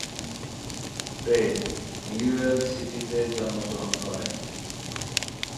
Fred New York সিটিতে জন্মগ্রহণ করেন।